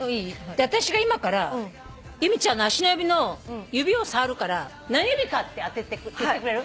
私が今から由美ちゃんの足の指を触るから何指か当てて言ってくれる？